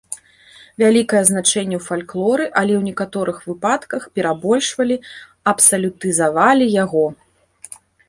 Вялікае значэнне ў фальклоры, але ў некаторых выпадках перабольшвалі, абсалютызавалі яго.